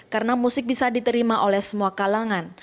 karena musik bisa diterima oleh semua kalangan